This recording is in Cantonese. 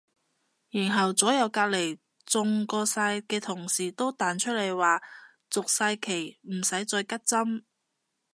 然後左右隔離中過晒嘅同事都彈出嚟話續晒期使乜再拮針